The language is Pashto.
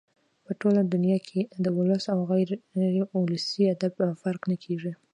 په ټوله دونیا کښي د ولسي او غیر اولسي ادب فرق نه کېږي.